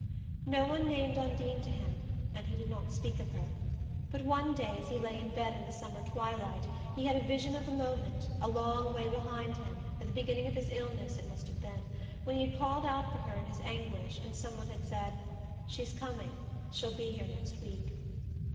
No one named Undine to him, and he did not speak of her. But one day, as he lay in bed in the summer twilight, he had a vision of a moment, a long way behind him at the beginning of his illness, it must have been when he had called out for her in his anguish, and some one had said: "She's coming: she'll be here next week."